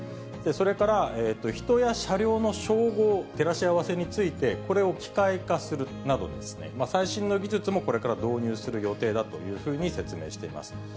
それから人や車両の照合、照らし合わせについて、これを機械化するなど、最新の技術もこれから導入する予定だというふうに説明しています。